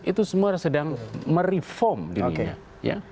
itu semua sedang mereform dirinya ya